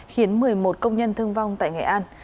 khiến một mươi một công nhân thương vong tại nghệ an